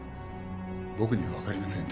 僕にはわかりません。